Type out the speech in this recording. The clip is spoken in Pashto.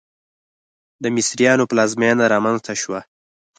د مصریانو پلازمېنه رامنځته شوه.